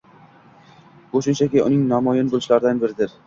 Bu shunchaki uning namoyon bo‘lishlaridan biridir;